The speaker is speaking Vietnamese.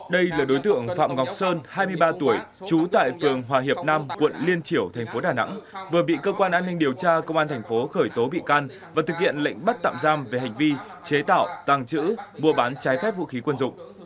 đây là đối tượng phạm ngọc sơn hai mươi ba tuổi trú tại phường hòa hiệp nam quận liên triểu thành phố đà nẵng vừa bị cơ quan an ninh điều tra công an thành phố khởi tố bị can và thực hiện lệnh bắt tạm giam về hành vi chế tạo tàng trữ mua bán trái phép vũ khí quân dụng